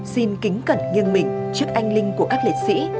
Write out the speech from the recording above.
xin kính cẩn nghiêng mình trước anh linh của các liệt sĩ